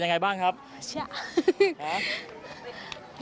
คุณผู้ชม